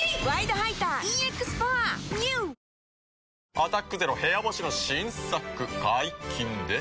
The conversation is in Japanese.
「アタックＺＥＲＯ部屋干し」の新作解禁です。